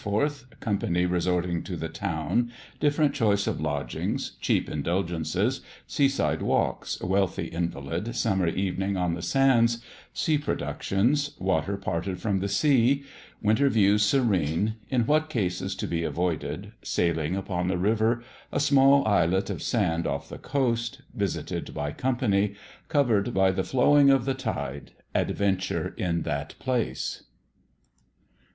Company resorting to the Town Different Choice of Lodgings Cheap Indulgences Seaside Walks Wealthy Invalid Summer evening on the Sands Sea Productions "Water parted from the Sea" Winter Views serene In what cases to be avoided Sailing upon the River A small Islet of Sand off the Coast Visited by Company Covered by the Flowing of the Tide Adventure in that place.